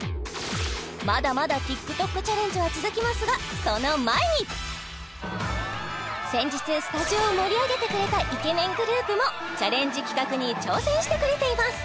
まだまだＴｉｋＴｏｋチャレンジは続きますがその前に先日スタジオを盛り上げてくれたイケメングループもチャレンジ企画に挑戦してくれています